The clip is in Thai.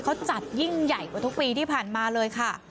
เขาจัดยิ่งใหญ่กว่าทุกปีที่ผ่านมาเลยค่ะ